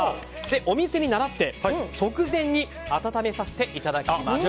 お店に倣って直前に温めさせていただきました。